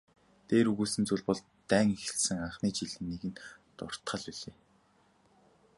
Дээр өгүүлсэн зүйл бол дайн эхэлсэн анхны жилийн нэгэн дуртгал билээ.